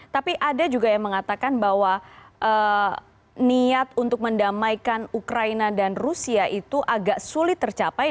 tapi ada juga yang mengatakan bahwa niat untuk mendamaikan ukraina dan rusia itu agak sulit tercapai